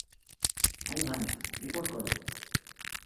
Ivan, report করো।